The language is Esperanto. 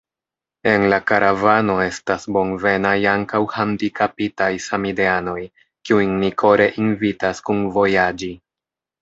En la karavano estas bonvenaj ankaŭ handikapitaj samideanoj, kiujn ni kore invitas kunvojaĝi.